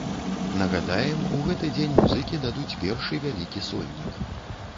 Нагадаем, у гэты дзень музыкі дадуць першы вялікі сольнік.